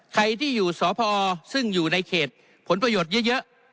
ใครที่อยู่สพซึ่งอยู่ในเขตผลประโยชน์เยอะ